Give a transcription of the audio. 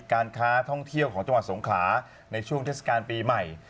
การค้าท่องเที่ยวของจังหวัดสงขลาในช่วงเทศกาลปีใหม่